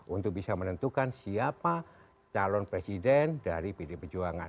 untuk bisa menentukan siapa calon presiden dari pd pejuangan